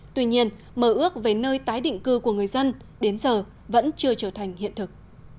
tuy nhiên mơ ước về nơi tái định cư của người dân đến giờ vẫn chưa trở thành hiện thực